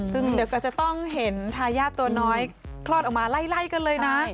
ซึ่งเดี๋ยวก็จะต้องเห็นทายาทตัวน้อยคลอดออกมาไล่กันเลยนะ